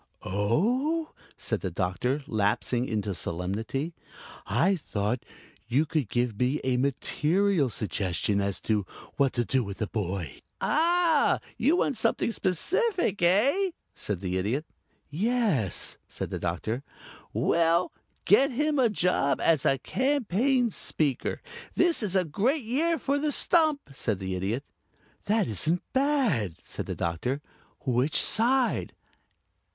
"Oh!" said the Doctor, lapsing into solemnity. "I thought you could give me a material suggestion as to what to do with the boy." "Ah! You want something specific, eh?" said the Idiot. "Yes," said the Doctor. "Well get him a job as a Campaign Speaker. This is a great year for the stump," said the Idiot. "That isn't bad," said the Doctor. "Which side?"